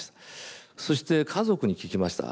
そして家族に聞きました。